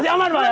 udah undang itf